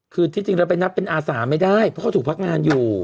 คือที่จริงแล้วไปนับเป็นอาสาไม่ได้เพราะเขาถูกพักงานอยู่